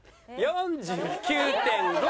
４９．５。